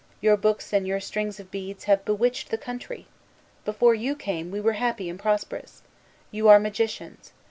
Your books and your strings of beads have bewitched the country. Before you came, we were happy and prosperous. You are magicians.